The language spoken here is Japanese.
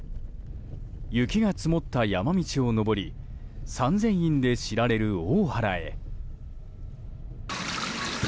雪が積もった山道を登り三千院で知られる大原へ。